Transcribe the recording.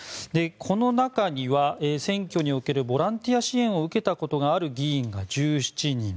この中には選挙におけるボランティア支援を受けたことがある議員が１７人。